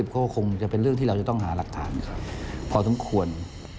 ก็คงจะเป็นเรื่องที่เราจะต้องหาหลักฐานพอสมควร